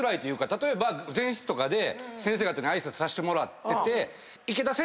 例えば前室とかで先生方に挨拶させてもらってて。